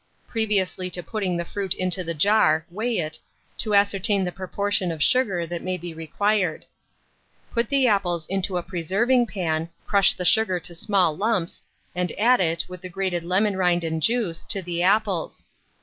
Previously to putting the fruit into the jar, weigh it, to ascertain the proportion of sugar that may be required. Put the apples into a preserving pan, crush the sugar to small lumps, and add it, with the grated lemon rind and juice, to the apples.